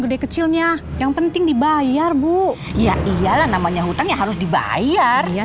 gede kecilnya yang penting dibayar bu iya iyalah namanya hutangnya harus dibayar iya